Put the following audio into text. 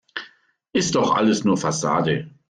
Ist doch alles nur Fassade.